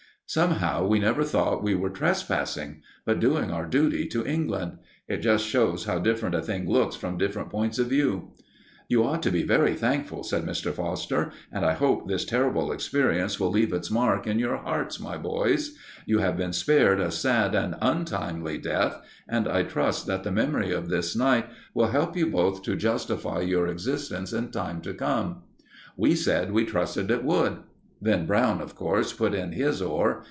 Somehow we never thought we were trespassing, but doing our duty to England. It just shows how different a thing looks from different points of view. "You ought to be very thankful," said Mr. Foster, "and I hope this terrible experience will leave its mark in your hearts, my boys. You have been spared a sad and untimely death, and I trust that the memory of this night will help you both to justify your existence in time to come." We said we trusted it would. Then Brown, of course, put in his oar.